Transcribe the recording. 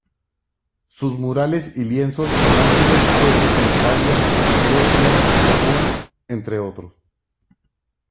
Sus murales y lienzos han sido expuestos en Italia, Grecia, Japón, entre otros.